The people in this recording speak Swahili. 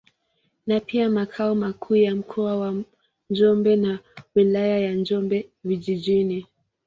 Ni pia makao makuu ya Mkoa wa Njombe na Wilaya ya Njombe Vijijini.